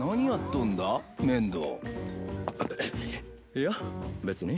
いや別に。